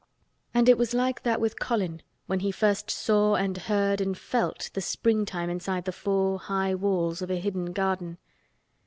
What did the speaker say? And it was like that with Colin when he first saw and heard and felt the Springtime inside the four high walls of a hidden garden.